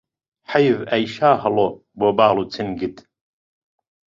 حەیف ئەی شاهەڵۆ بۆ باڵ و چەنگت